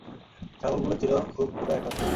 ছাগলগুলো ছিল খুব ক্ষুধায় আক্রান্ত।